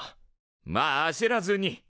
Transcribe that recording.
まああせらずに。